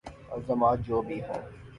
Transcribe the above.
الزامات جو بھی ہوں۔